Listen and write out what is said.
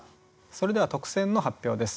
それでは特選の発表です。